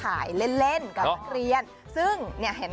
ไม่เหลียวจริงเหรอ